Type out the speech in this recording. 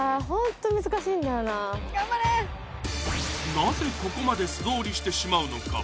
なぜここまで素通りしてしまうのか？